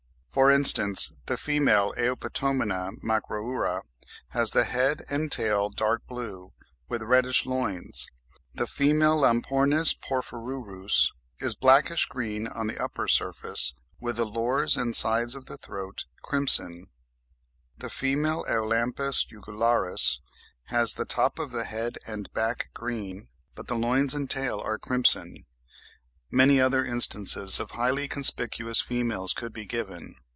(13. For instance, the female Eupetomena macroura has the head and tail dark blue with reddish loins; the female Lampornis porphyrurus is blackish green on the upper surface, with the lores and sides of the throat crimson; the female Eulampis jugularis has the top of the head and back green, but the loins and the tail are crimson. Many other instances of highly conspicuous females could be given.